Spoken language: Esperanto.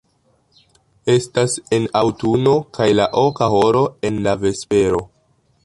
Estas en aŭtuno kaj la oka horo en la vespero.